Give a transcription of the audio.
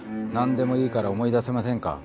何でもいいから思い出せませんか？